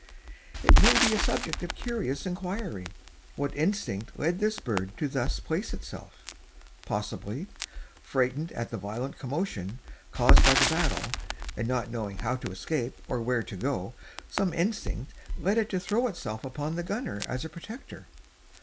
It may be a subject of curious inquiry, what instinct led this bird to thus place itself. Possibly, frightened at the violent commotion caused by the battle, and not knowing how to escape or where to go, some instinct led it to throw itself upon the gunner as a protector.